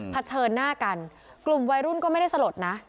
เฉินหน้ากันกลุ่มวัยรุ่นก็ไม่ได้สลดนะ